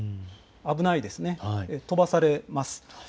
危ないですね、飛ばされます。